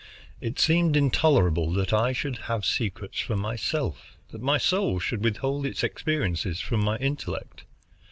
It seemed intolerable that I should have secrets from myself, that my soul should withhold its experiences from my intellect.